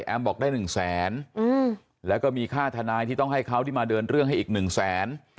บอกได้๑แสนแล้วก็มีค่าทนายที่ต้องให้เขาที่มาเดินเรื่องให้อีกหนึ่งแสน